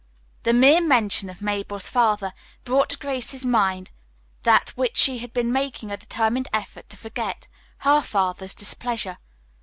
The mere mention of Mabel's father brought to Grace's mind that which she had been making a determined effort to forget, her father's displeasure.